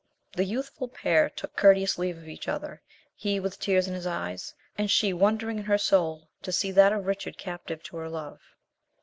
The youthful pair took courteous leave of each other, he with tears in his eyes, and she wondering in her soul to see that of Richard captive to her love.